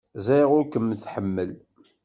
Ẓriɣ ur kem-tḥemmel.